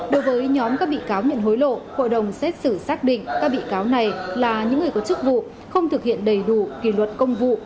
đối với nhóm các bị cáo nhận hối lộ hội đồng xét xử xác định các bị cáo này là những người có chức vụ không thực hiện đầy đủ kỳ luật công vụ